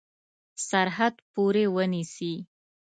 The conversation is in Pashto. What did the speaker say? سرحد پوري ونیسي.